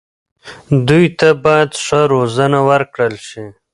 دوی ته باید ښه روزنه ورکړل شي.